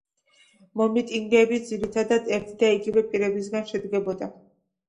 მომიტინგეები ძირითადად ერთი და იგივე პირებისგან შედგებოდა.